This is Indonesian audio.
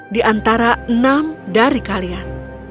di antara enam dari kalian